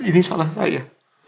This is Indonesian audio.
ini salah saya